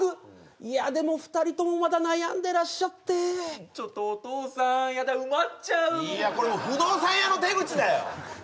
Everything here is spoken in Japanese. いやでも２人ともまだ悩んでらっしゃってちょっとお父さんヤダ埋まっちゃういやこれもう不動産屋の手口だよ